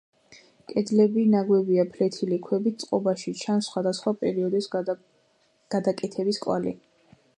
კედლები ნაგებია ფლეთილი ქვებით, წყობაში ჩანს სხვადასხვა პერიოდის გადაკეთების კვალი.